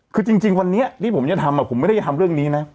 คือจริงวันนี้ที่ผมจะทำผมไม่ได้จะทำเรื่องนี้นะ